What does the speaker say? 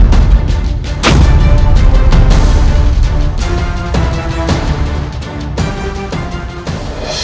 aku setuju dengan rencanamu